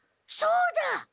そうだ！